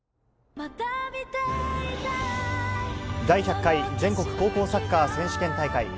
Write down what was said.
第１００回全国高校サッカー選手権大会。